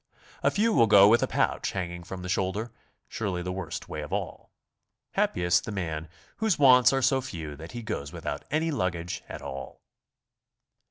A few will go with a pouch hanging from the shoulder, surely the worst way of all. Happiest the man whose wants are so few that he goes without any luggage at all!